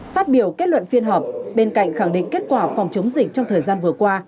phát biểu kết luận phiên họp bên cạnh khẳng định kết quả phòng chống dịch trong thời gian vừa qua